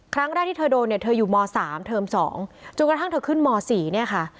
ครั้งแรกที่เธอโดนเนี่ยเธออยู่ม๓เทอม๒จนกระทั่งเธอขึ้นม๔เนี่ยค่ะ